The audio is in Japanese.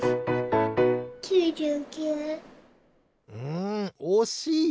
んおしい！